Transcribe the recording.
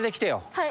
はい。